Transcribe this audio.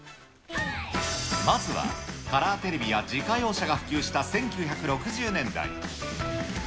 まずは、カラーテレビや自家用車が普及した１９６０年代。